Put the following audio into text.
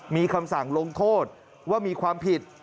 มีคำสั่งลงโทษว่ามีความผิด